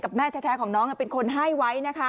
แม่แท้ของน้องเป็นคนให้ไว้นะคะ